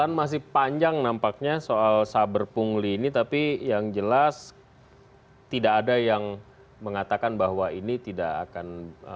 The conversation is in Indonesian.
pan masih panjang nampaknya soal saber pungli ini tapi yang jelas tidak ada yang mengatakan bahwa ini tidak akan